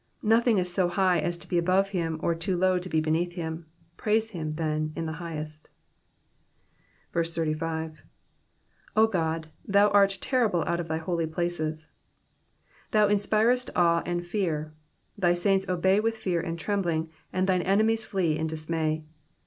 Nothing is so high as to be above him, or too low to be beneath him ; praise him, then, in the highest. 35. 0 Ood, thou art terrible out of thy holy places.'''' Thou inspirest awe and fear. Thy saints obey with fear and trembling, and thine enemies flee in dis may.